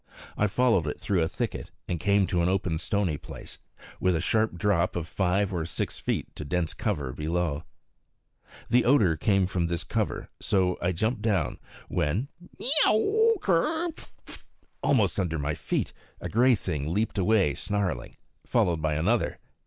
I followed it through a thicket, and came to an open stony place, with a sharp drop of five or six feet to dense cover below. The odor came from this cover, so I jumped down; when yeow, karrrr, pft pft! Almost under my feet a gray thing leaped away snarling, followed by another.